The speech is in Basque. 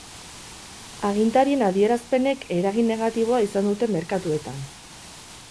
Agintarien adierazpenek eragin negatiboa izan dute merkatuetan.